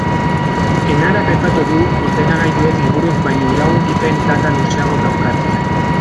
Enarak aipatu du ordenagailuek liburuek baino iraungipen data luzeagoa daukatela.